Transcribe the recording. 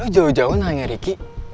lo jauh jauh nanya riki